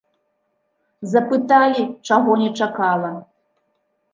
Запыталі, чаго не чакала.